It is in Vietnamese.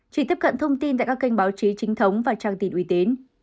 chỉ tiếp cận thông tin tại các kênh báo chí trinh thống và trang tin uy tín